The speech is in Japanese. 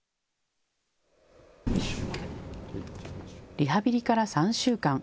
リハビリから３週間。